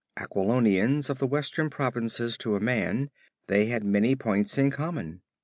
Aquilonians of the western provinces to a man, they had many points in common.